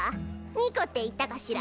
ニコっていったかしら。